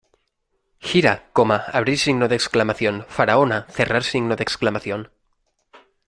Gira, ¡Faraona!